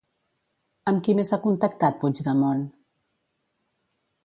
Amb qui més ha contactat Puigdemont?